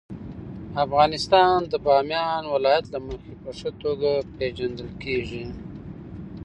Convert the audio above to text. افغانستان د بامیان د ولایت له مخې په ښه توګه پېژندل کېږي.